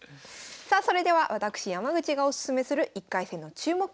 さあそれでは私山口がおすすめする１回戦の注目